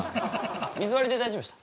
あっ水割りで大丈夫でした？